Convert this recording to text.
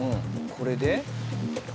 これで？